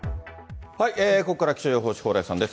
ここからは気象予報士、蓬莱さんです。